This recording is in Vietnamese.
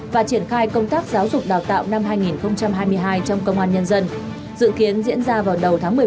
và triển khai công tác giáo dục đào tạo năm hai nghìn hai mươi hai trong công an nhân dân dự kiến diễn ra vào đầu tháng một mươi một